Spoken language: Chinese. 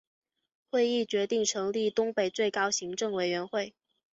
会议决定成立东北最高行政委员会。